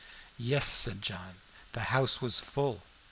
"Yes," said John. "The house was full.